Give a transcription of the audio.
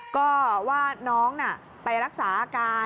ก็ว่าน้องไปรักษาอาการ